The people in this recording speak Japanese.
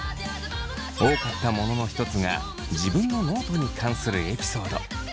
多かったものの一つが自分のノートに関するエピソード。